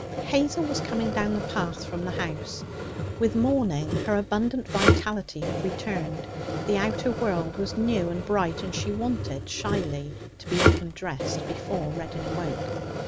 Hazel was coming down the path from the house. With morning, her abundant vitality had returned. The outer world was new and bright, and she wanted, shyly, to be up and dressed before Reddin awoke.